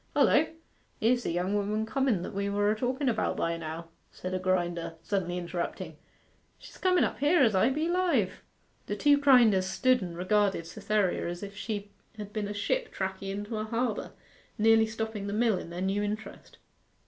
'Hullo! Here's the young woman comen that we were a talken about by now,' said a grinder, suddenly interrupting. 'She's comen up here, as I be alive!' The two grinders stood and regarded Cytherea as if she had been a ship tacking into a harbour, nearly stopping the mill in their new interest.